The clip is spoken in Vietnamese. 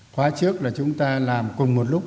khóa trước là chúng ta làm cùng một lúc